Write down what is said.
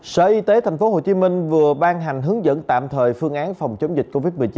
sở y tế tp hcm vừa ban hành hướng dẫn tạm thời phương án phòng chống dịch covid một mươi chín